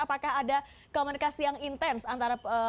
apakah ada komunikasi yang intens antara pemerintah dan pemerintah